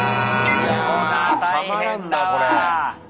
いやたまらんなこれ。